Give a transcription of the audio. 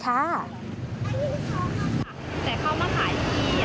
แต่เข้ามาขายดียังคือจะขายเพราะว่า